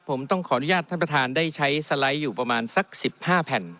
ผมต้องขออนุญาตท่านประธานได้ใช้สไลด์อยู่ประมาณสัก๑๕แผ่น